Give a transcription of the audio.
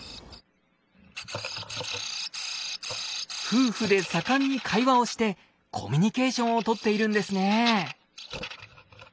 夫婦で盛んに会話をしてコミュニケーションを取っているんですね。